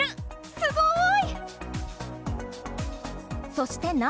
すごい。